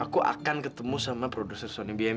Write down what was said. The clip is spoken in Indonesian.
aku akan ketemu sama produser sony bmi